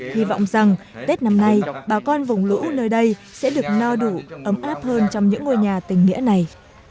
hy vọng rằng tết năm nay bà con vùng lũ nơi đây sẽ được no đủ ấm áp hơn trong những ngôi nhà tình nghĩa này